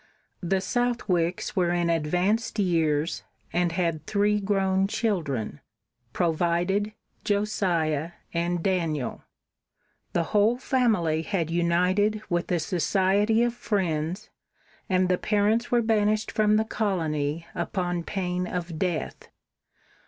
The Southwicks were in advanced years, and had three grown children Provided, Josiah, and Daniel. The whole family had united with the Society of Friends, and the parents were banished from the colony upon pain of death.